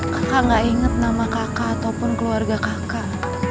kakak gak inget nama kakak ataupun keluarga kakak